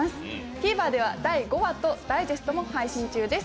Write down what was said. ＴＶｅｒでは第５話とダイジェストも配信中です。